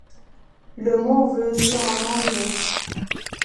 Le mot veut dire en anglais.